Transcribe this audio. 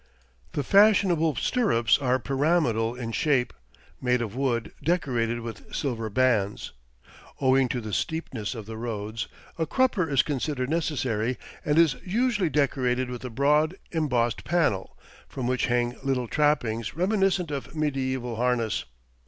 The fashionable stirrups are pyramidal in shape, made of wood decorated with silver bands. Owing to the steepness of the roads, a crupper is considered necessary and is usually decorated with a broad, embossed panel, from which hang little trappings reminiscent of medieval harness.